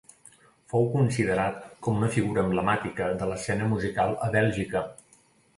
Fou considerat com una figura emblemàtica de l'escena musical a Bèlgica.